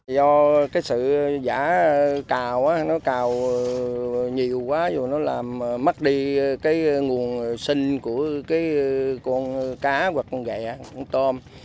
do cái sự giả cào nó cào nhiều quá rồi nó làm mất đi cái nguồn sinh của cái con cá hoặc con ghẹ con tôm